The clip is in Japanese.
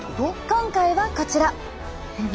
今回はこちら！